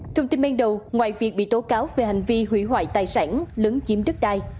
thông tin ban đầu ngoài việc bị tố cáo về hành vi hủy hoại tài sản lấn chiếm đất đai